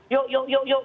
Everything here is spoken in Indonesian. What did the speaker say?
yuk yuk yuk yuk